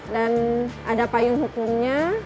dan ada payung hukumnya